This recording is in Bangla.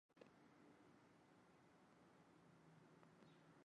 লেডি আরউইন কলেজের মাঠে বিদ্যমান একটি ভবন হ্যানা সেনের নামে নামকরণ করা হয়েছে।